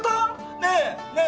ねえ？ねえ？